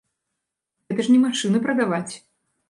Гэта ж не машыны прадаваць!